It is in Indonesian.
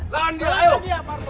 lahan dia lahan dia parto